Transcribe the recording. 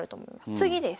次です。